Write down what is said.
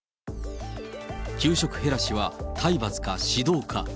給食減らしは体罰か、指導か。